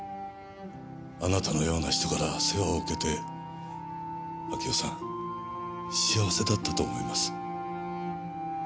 あなたのような人から世話を受けて明代さん幸せだったと思います。